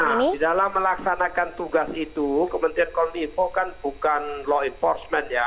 nah di dalam melaksanakan tugas itu kementerian kominfo kan bukan law enforcement ya